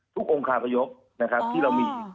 ทุกมุมขาประยกที่เรามี